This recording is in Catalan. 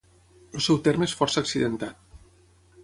El seu terme és força accidentat.